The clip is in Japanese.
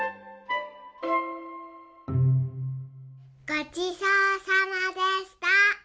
ごちそうさまでした。